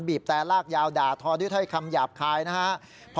แต่ลากยาวด่าทอด้วยถ้อยคำหยาบคายนะครับ